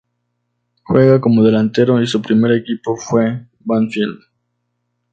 Juega como delantero y su primer equipo fue Banfield.